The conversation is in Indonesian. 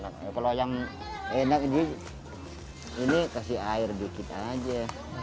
kalau yang enak ini kasih air dikit aja